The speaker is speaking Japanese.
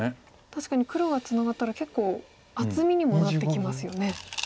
確かに黒がツナがったら結構厚みにもなってきますよね。